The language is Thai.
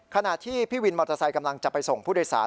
ขณะที่พี่วินมอเตอร์ไซค์กำลังจะไปส่งผู้โดยสาร